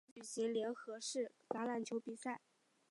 体育场不时举行联合式橄榄球比赛。